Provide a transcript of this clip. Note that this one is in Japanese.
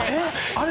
あれ！